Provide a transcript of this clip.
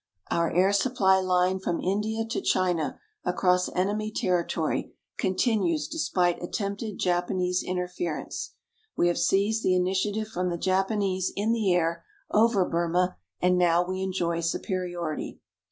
Our air supply line from India to China across enemy territory continues despite attempted Japanese interference. We have seized the initiative from the Japanese in the air over Burma and now we enjoy superiority.